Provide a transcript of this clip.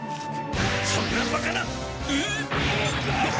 そんなバカな！